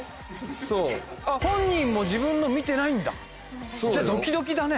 そう本人も自分の見てないんだじゃドキドキだね